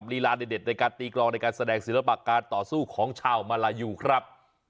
ลีลาเด็ดในการตีกรองในการแสดงศิลปะการต่อสู้ของชาวมาลายูครับ